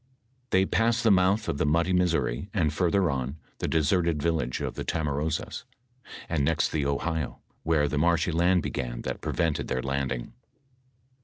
They passed the month of the muddy Missouri, ajd further on, the deserted village of the Tamaroas, and next the Ohio, where the marshy land began that prevented their landing.